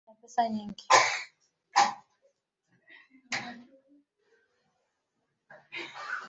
Familia hiyo ina pesa nyingi